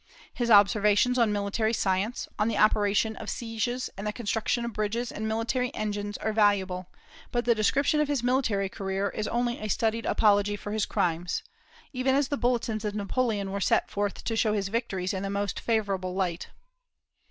His observations on military science, on the operation of sieges and the construction of bridges and military engines are valuable; but the description of his military career is only a studied apology for his crimes, even as the bulletins of Napoleon were set forth to show his victories in the most favorable light.